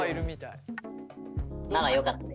ならよかったです。